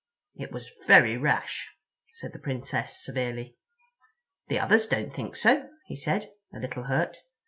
"It was very rash," said the Princess severely. "The others don't think so," he said, a little hurt.